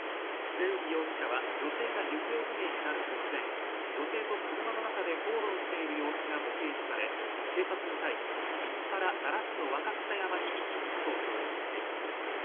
末海容疑者は女性が行方になる直前女性と車の中で口論している様子が目撃され警察に対し、道から奈良市の若草山に遺棄したと供述しています。